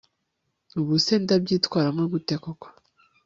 ubuse ndabyitwaramo gute koko